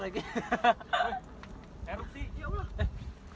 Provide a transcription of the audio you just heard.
hari ini masih masih makan